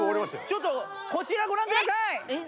ちょっとこちらごらんください！